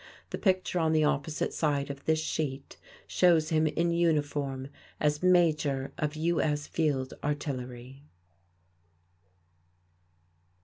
The picture on the opposite side of this sheet shows him in uniform as Major of U. S. Field Artillery.